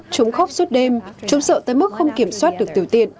chúng khóc suốt đêm chúng sợ tới mức không kiểm soát được tiểu tiện